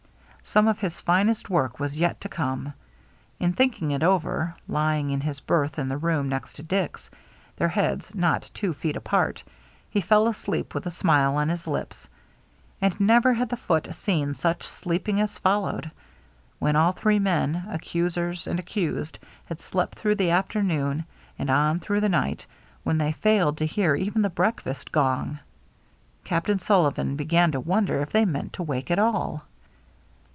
Some of his finest work was yet to come. In thinking it over, lying in his berth in the room next to Dick's, their heads not two feet apart, he fell asleep with a smile on his lips. And never had the Foote seen such sleeping as followed. When all three men, accusers and accused, had slept through the afternoon and on through the night, when they failed to hear even the breakfast gong. Captain Sullivan began to wonder if they meant to wake at all.